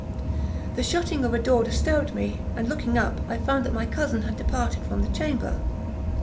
The shutting of a door disturbed me, and, looking up, I found that my cousin had departed from the chamber.